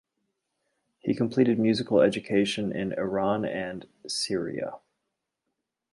He completed musical education in Iran and Syria.